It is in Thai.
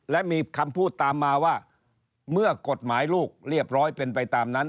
และมีคำพูดตามมาว่าเมื่อกฎหมายลูกเรียบร้อยเป็นไปตามนั้น